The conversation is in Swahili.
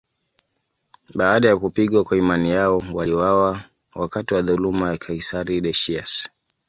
Baada ya kupigwa kwa imani yao, waliuawa wakati wa dhuluma ya kaisari Decius.